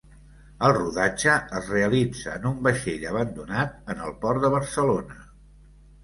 El rodatge es realitza en un vaixell abandonat en el port de Barcelona.